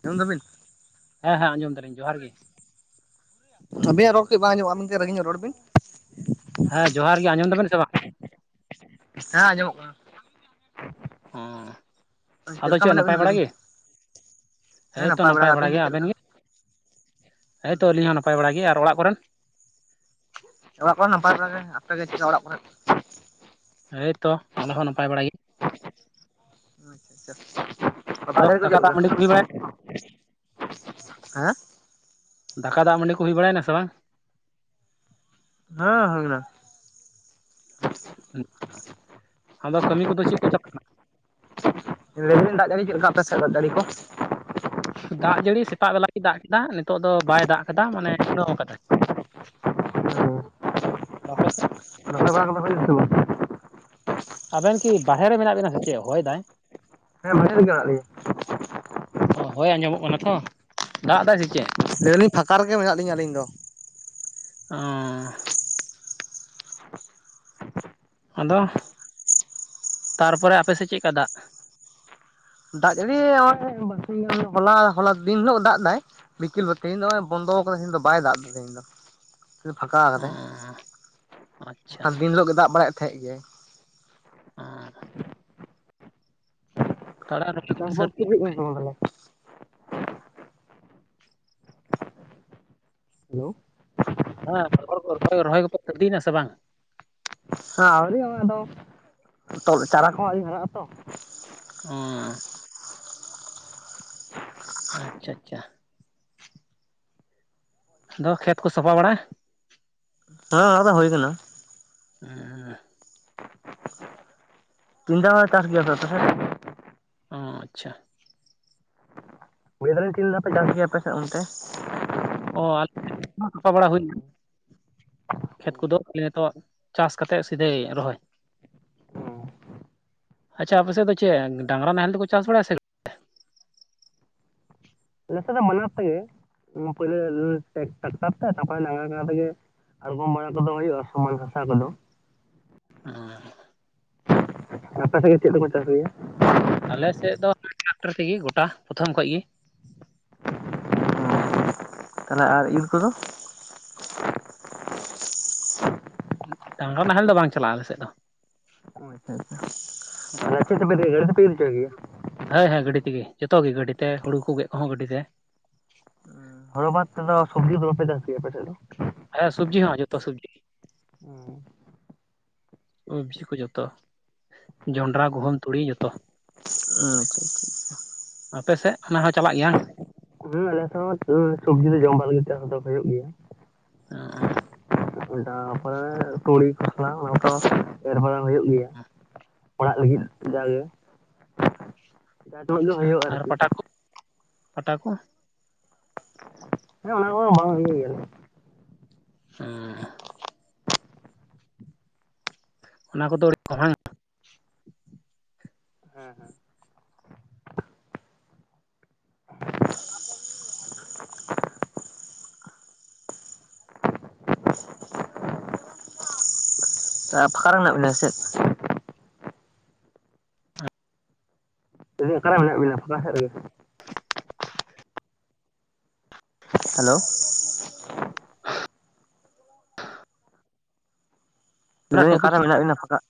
ᱟᱸᱡᱚᱢ ᱫᱟᱵᱤᱱ? ᱦᱮᱸ ᱦᱮᱸ ᱟᱸᱡᱚᱢ ᱫᱟᱹᱞᱤᱧ ᱡᱚᱦᱟᱨ ᱜᱮ ᱟᱹᱵᱤᱱᱟᱜ ᱨᱚᱲ ᱠᱟᱹᱡ ᱵᱟᱝ ᱟᱡᱚᱢᱚᱜ ᱠᱟᱱᱟ ᱟᱹᱵᱤᱱ ᱠᱟᱹᱡ ᱨᱟᱹᱜᱤ ᱧᱚᱜ ᱨᱚᱲ ᱵᱤᱱ ᱦᱮᱸ ᱡᱚᱦᱟᱨ ᱜᱮ ᱟᱸᱡᱚᱢ ᱫᱟᱵᱮᱱ ᱥᱮ ᱵᱟᱝ ᱦᱮᱸ ᱟᱸᱡᱚᱢᱚᱜ ᱠᱟᱱᱟ ᱦᱮᱸ ᱟᱫᱚ ᱞᱮᱠᱟ ᱪᱮᱫ ᱢᱮᱱᱟᱜ ᱱᱟᱯᱟᱭ ᱵᱤᱱᱟ ᱞᱟᱹᱭ ᱵᱟᱲᱟ ᱵᱤᱱ? ᱜᱮ ᱦᱮ ᱦᱮᱸ ᱛᱚ ᱱᱟᱯᱟᱭ ᱜᱮ, ᱵᱟᱲᱟ ᱟᱹᱵᱤᱱ ᱜᱮᱭᱟ ᱪᱮᱫ ᱟᱵᱮᱱ ᱞᱮᱠᱟ? ᱜᱮ ᱦᱳᱭ ᱦᱩᱸ ᱛᱚ ᱦᱩᱸ ᱟᱹᱞᱤᱧ ᱦᱚᱸ ᱱᱟᱯᱟᱭ ᱵᱟᱲᱟ ᱜᱮ ᱟᱨ ᱚᱲᱟᱜ ᱠᱚᱨᱮᱱ ᱚᱲᱟᱜ ᱠᱚᱨᱮ ᱱᱟᱯᱟᱭ ᱵᱟᱲᱟ ᱜᱮ ᱟᱯᱮᱜᱮ ᱪᱮᱫ ᱞᱮᱠᱟ ᱚᱲᱟᱜ ᱠᱚᱨᱮᱫ ᱮᱭᱛᱚ ᱟᱞᱮ ᱦᱚᱸ ᱱᱟᱯᱟᱭ ᱵᱟᱲᱟᱭ ᱜᱮᱭᱟ ᱟᱪᱪᱷᱟ ᱟᱪᱪᱷᱟ ᱟᱫᱚ ᱫᱟᱫ ᱫᱟᱠᱟ ᱡᱟᱹᱲᱤ ᱫᱟᱜ ᱫᱚ ᱢᱟᱹᱰᱤ ᱠᱚ ᱦᱩᱭ ᱪᱮᱫ ᱵᱟᱲᱟᱭ ᱞᱮᱠᱟ ᱦᱮᱸ ᱫᱟᱠᱟ ᱫᱟᱜ ᱢᱟᱹᱰᱤ ᱠᱚ ᱦᱩᱭ ᱵᱟᱲᱟᱭᱱᱟ ᱥᱮ ᱵᱟᱝ ᱦᱮᱸ ᱦᱳᱭᱠᱟᱱᱟ ᱟ ᱟᱫᱚ ᱠᱟᱹᱢᱤ ᱠᱚᱫᱚ ᱪᱮᱫ ᱠᱚ ᱪᱟᱞᱟᱜ ᱠᱟᱱᱟ ᱞᱟ. ᱭ ᱮᱫᱟᱞᱤᱧ ᱫᱟᱜ ᱡᱟᱹᱲᱤ ᱪᱮᱫ ᱞᱮᱠᱟ ᱟᱯᱮ ᱥᱮᱫ ᱫᱟᱜ ᱡᱟᱹᱲᱤ ᱠᱚ ᱫᱟᱜ ᱡᱟᱹᱲᱤ ᱥᱮᱛᱟᱜ ᱵᱮᱞᱟ ᱜᱮᱭ ᱫᱟᱜ ᱠᱮᱫᱟ ᱱᱤᱛᱚᱜ ᱫᱚ ᱵᱟᱭ ᱫᱟᱜ ᱠᱟᱫᱟ ᱢᱟᱱᱮ ᱥᱤᱛᱝ ᱠᱟᱫᱟᱭ [unintelligible] ᱦ [unintelligible] ᱵᱟᱲᱟ ᱟᱯᱮ ᱠᱚᱫᱚ ᱥᱮᱫ ᱦᱩᱭ ᱮᱱᱟ ᱥᱮ ᱵᱟᱝ ᱟᱵᱮᱱ ᱠᱤ ᱵᱟᱦᱨᱮ ᱨᱮ ᱢᱮᱱᱟᱜ ᱵᱮᱱᱟ ᱥᱮ ᱪᱮᱫ ᱦᱚᱭ ᱮᱫᱟᱭ ᱦᱮᱸ ᱵᱟᱭᱨᱮ ᱨᱮᱜᱮ ᱢᱮᱱᱟᱜ ᱞᱤᱧᱟ ᱚ ᱦᱚᱭ ᱟᱸᱡᱚᱢᱚᱜ ᱠᱟᱱᱟ ᱛᱚ ᱫᱟᱜ ᱮᱫᱟᱭ ᱥᱮ ᱪᱮᱫ ᱞᱟᱹᱭ ᱮᱫᱟ ᱞᱤᱧ ᱯᱷᱟᱸᱠᱟ ᱨᱮᱜᱮ ᱢᱮᱱᱟᱜ ᱞᱤᱧᱟᱹ ᱟᱹᱞᱤᱧ ᱫᱚ ᱚᱸ ᱟᱫᱚ ᱛᱟᱨᱯᱚᱨᱮ ᱟᱯᱮᱥᱮᱫ ᱪᱮᱫ ᱞᱮᱠᱟ ᱫᱟᱜ ᱫᱟᱜ ᱡᱟᱹᱲᱤ ᱱᱚᱜᱚᱭ ᱵᱟᱨᱥᱤᱧ ᱜᱟᱱ ᱦᱚᱞᱟ ᱦᱚᱞᱟ ᱫᱤᱱ ᱦᱤᱞᱳᱜ ᱫᱟᱜ ᱮᱫᱟᱭ ᱵᱤᱠᱤᱞ [unintelligible] ᱛᱮᱦᱤᱧ ᱫᱚ ᱱᱚᱜᱚᱭ ᱵᱚᱱᱫᱚ ᱟᱠᱟᱫᱟᱭ ᱫᱟ ᱵᱟᱭ ᱫᱟᱜ ᱮᱫᱟ ᱛᱮᱦᱤᱧ ᱫᱚ ᱛᱮᱦᱮᱧ ᱫᱚ ᱯᱷᱟᱠᱟ ᱟᱠᱟᱫᱟᱭ ᱚ [unintelligible] ᱟᱪᱪᱷᱟ ᱵᱟᱠᱷᱟᱡ ᱫᱤᱱ ᱦᱤᱞᱳᱜ ᱜᱮᱭ ᱫᱟᱜ ᱵᱟᱲᱟᱭᱮᱫ ᱛᱟᱦᱮᱸᱫ ᱜᱮᱭᱟᱭ ᱚᱸ ᱛᱟᱲᱟ ᱨᱚᱦᱚᱭ ᱪᱟᱥᱵᱟᱥ [unintelligible] ᱠᱚᱯᱮ ᱠᱟᱱᱟ ᱥᱟᱹᱨᱫᱤ ᱥᱮ ᱦᱮᱸ ᱵᱟᱝ ᱛᱟᱦᱞᱮ ᱦᱮᱞᱳ ᱦᱮᱸ ᱨᱚᱦᱚᱲ ᱠᱚ ᱨᱚᱦᱚᱭ ᱠᱚᱯᱮ ᱨᱤᱫᱤᱭᱮᱱᱟ ᱥᱮ ᱵᱟᱝᱟ ᱦᱮᱸ ᱟᱹᱣᱨᱤ ᱦᱚᱸ ᱟᱫᱚ ᱪᱟᱨᱟ ᱠᱚᱦᱚᱸ ᱟᱹᱣᱨᱤ ᱦᱟᱨᱟᱜ ᱟᱛᱚ ᱚᱸ ᱟᱪᱪᱷᱟ ᱟᱪᱪᱷᱟ ᱟᱫᱚ ᱠᱷᱮᱛ ᱠᱚ ᱥᱟᱯᱷᱟ ᱵᱟᱲᱟᱜ ᱦᱮᱸ ᱚᱱᱟᱠᱚᱫᱚ ᱦᱩᱭ ᱠᱟᱱᱟ ᱦᱮᱸ ᱛᱤᱱ ᱫᱷᱟᱣ ᱯᱮ ᱪᱟᱥ ᱜᱮᱭᱟ ᱟᱯᱮ ᱥᱮᱫ ᱚᱸ ᱟᱪᱪᱷᱟ ᱞᱟᱹᱭ ‌ᱫᱟᱞᱤᱧ‌ ᱛᱤᱱ ᱫᱷᱟᱣ ᱯᱮ ᱪᱟᱥ ᱜᱮᱭᱟ ᱟᱯᱮ ᱥᱮᱜ ᱚᱱᱛᱮᱼᱼ ᱚ ᱟᱞᱮ [unintelligible] ᱥᱟᱯᱷᱟ ᱵᱟᱲᱟ ᱦᱩᱭ ᱮᱱᱟ᱾ ᱠᱷᱮᱛ ᱠᱚᱫᱚ ᱟᱞᱮ ᱛᱚᱜ ᱪᱟᱥ ᱠᱟᱛᱮᱜ ᱥᱤᱫᱷᱟᱹᱭ ᱨᱚᱦᱚᱭ᱾ ᱟᱪᱪᱷᱟ ᱟᱯᱮ ᱥᱮᱜ ᱫᱚ ᱪᱮᱜ ᱰᱟᱝᱨᱟ ᱱᱟᱦᱮᱞ ᱛᱮᱠᱚ ᱪᱟᱥ ᱵᱟᱲᱟᱭᱟ ᱥᱮᱼᱼ ᱟᱞᱮ ᱥᱮᱜ ᱫᱚ ᱢᱟᱱᱟᱨ ᱛᱮᱜᱮ ᱩᱢ ᱯᱩᱭᱞᱟᱹ ᱞᱚᱻ ᱴᱮᱠᱴᱟᱠᱴᱟᱨ ᱛᱮ ᱛᱟᱨᱯᱚᱨ ᱱᱟᱦᱮᱞ‌ ᱠᱟᱲᱟ ᱛᱮᱜᱮ ᱼᱼ ᱟᱲᱜᱚᱢ ᱵᱟᱲᱟ ᱠᱚᱫᱚ ᱦᱩᱭᱩᱜ-ᱟ ᱥᱚᱢᱟᱱ ᱦᱟᱥᱟ ᱠᱚᱫᱚᱼᱼ ᱚᱸᱻ᱾ ᱟᱯᱮ ᱥᱮᱜ ᱜᱮ ᱪᱮᱫ ᱛᱮ ᱠᱚ ᱪᱟᱥ ᱜᱮᱭᱟ? ᱟᱞᱮ ᱥᱮᱜ ᱫᱚ ᱴᱨᱟᱠᱴᱟᱨ ᱛᱮᱜᱮ ᱜᱩᱴᱟ ᱯᱨᱚᱛᱷᱚᱢ ᱠᱷᱚᱡ ᱜᱤ᱾ ᱛᱟᱦᱚᱞᱮ ᱟᱨ ᱤᱨ ᱠᱚᱫᱚ? ᱰᱟᱝᱨᱟ ᱱᱟᱦᱮᱞ ᱫᱚ ᱵᱟᱝ ᱪᱟᱞᱟᱜᱼᱟ ᱟᱞᱮᱥᱮᱫ ᱫᱚ ᱟᱪᱪᱷᱟ ᱟᱪᱪᱷᱟ ᱟᱞᱮ ‌ᱥᱮᱜ ᱫᱚ [unintelligible] [unintelligible] [unintelligible] ᱜᱮᱭᱟ ᱾ ᱦᱚᱭ ᱦᱚᱭ ᱦᱮᱸ ᱜᱟᱹᱰᱤ ᱛᱮᱜᱮ ᱡᱚᱛᱚ ᱜᱮ ᱜᱟᱹᱰᱤ ᱛᱮ ᱦᱩᱲᱩ ᱠᱚ ᱜᱮᱜ ᱠᱩᱦᱚᱸ ᱜᱟᱹᱰᱤ ᱛᱮ᱾ ᱦᱚᱲᱚ ᱵᱟᱫᱽ ᱛᱮᱫᱚ ᱥᱚᱵᱽᱡᱤ ᱫᱚ ᱵᱟᱯᱮ ᱫᱟᱥ ᱜᱮᱭᱟ ᱟᱯᱮ ᱥᱮᱫ ᱫᱚ? ᱦᱮᱸ ᱥᱚᱵᱽᱡᱤ ᱦᱚᱸ ᱡᱚᱛᱚ ᱥᱚᱵᱽᱡᱤᱼᱼ ᱚᱸᱻ [unintelligible] ᱠᱚ ᱡᱚᱛᱚ ᱡᱚᱱᱰᱨᱟ ᱜᱩᱦᱩᱢ ᱛᱩᱲᱤ ᱡᱚᱛᱚ ᱟᱪᱪᱷᱟ ᱟᱪᱪᱷᱟ ᱴᱷᱤᱠᱟ ᱟᱯᱮ ᱥᱮᱜ ᱚᱱᱟ ᱦᱚᱸ ᱪᱟᱞᱟᱜ ᱜᱮᱭᱟ᱾ ᱟᱞᱮ ᱥᱮᱜ ᱦᱚᱸ [unintelligible] ᱥᱚᱵᱽᱡᱤ ᱫᱚ ᱡᱚᱢ ᱵᱟᱲᱟ ᱞᱟᱹᱜᱤᱫ ᱪᱟᱥ ᱫᱚ ᱦᱩᱭᱩᱜ ᱜᱮᱭᱟ᱾ ᱚᱸᱻ ᱛᱟᱨᱯᱚᱨᱮ ᱛᱩᱲᱤ ᱠᱷᱚᱥᱞᱟ ᱚᱱᱟ ᱠᱚ ᱦᱚᱸ ᱮᱨ ᱵᱟᱲᱟ ᱦᱩᱭᱩᱜ ᱜᱤᱭᱟ᱾ ᱚᱲᱟᱜ ᱞᱟᱹᱜᱤᱫ ᱡᱟᱜᱮ, ᱡᱟᱦᱟᱸ ᱛᱤᱱᱟᱹᱜ ᱜᱮ ᱦᱩᱭᱩᱜ-ᱟ ᱟᱨ ᱠᱤ᱾ [unintelligible] ᱟᱴᱟ ᱠᱚ ᱦᱮᱸ ᱚᱱᱟ ᱠᱚ ᱦᱚᱸ ᱵᱟᱝ ᱦᱩᱭᱩᱜ ᱜᱮᱭᱟ᱾ ᱦᱮᱸ᱾ ᱚᱱᱟ ᱠᱚᱫᱚ ᱟᱹᱲᱤᱼᱼ ᱦᱮᱸ ᱦᱮᱸ᱾ ᱛᱚ ᱯᱷᱟᱠᱟ ᱨᱮ ᱢᱮᱱᱟᱜ ᱵᱤᱱᱟ ᱥᱮ ᱪᱮᱫ? ᱢᱮᱱ ᱫᱟᱹᱧ ᱚᱠᱟᱨᱮ ᱢᱮᱱᱟᱜ ᱵᱤᱱᱟ ᱯᱟᱷᱟᱠᱟ ᱥᱮᱜ ᱨᱮᱜᱮ ᱦᱮᱞᱳ ᱢᱮᱱ ᱢᱟᱨᱟᱝ ᱫᱟᱹᱧ ᱴᱚᱯᱤᱠ ᱚᱠᱟᱨᱮ ᱢᱮᱱᱟᱜ ᱵᱤᱱᱟ ᱯᱷᱟᱠᱟᱜᱼᱼ